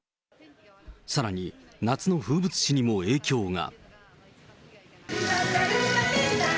さらに、夏の風物詩にも影響が。